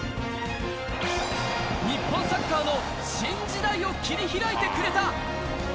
日本サッカーの新時代を切り開いてくれた。